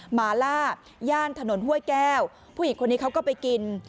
หมาล่าย่านถนนห้วยแก้วผู้หญิงคนนี้เขาก็ไปกิน